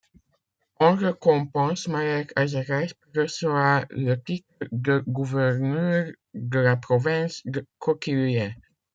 En récompense Malek Hazarasp reçoit le titre de gouverneur de la province de Kohkiluyeh.